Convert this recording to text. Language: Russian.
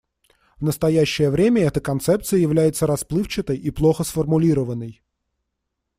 В настоящее время эта концепция является расплывчатой и плохо сформулированной.